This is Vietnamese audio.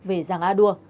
về giàng a đua